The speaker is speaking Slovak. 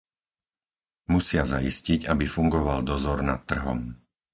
Musia zaistiť, aby fungoval dozor nad trhom.